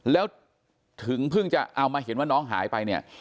แล้วถึงเพิ่งจะเอามาเห็นว่าน้องหายไปเนี่ย